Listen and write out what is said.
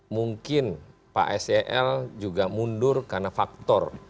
mungkin pak sel juga mundur karena faktor